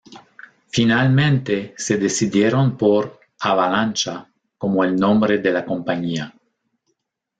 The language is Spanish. Finalmente se decidieron por "Avalancha" como el nombre de la compañía.